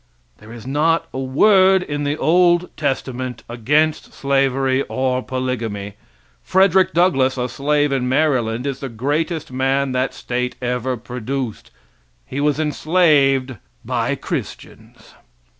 There is not a word in the old testament against slavery or polygamy. Frederick Douglas, a slave in Maryland, is the greatest man that state ever produced. He was enslaved by Christians.